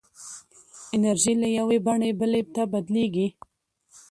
انرژي له یوې بڼې بلې ته بدلېږي.